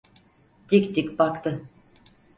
Dik dik baktı…